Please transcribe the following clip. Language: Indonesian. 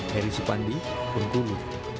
heri supandi bengkulu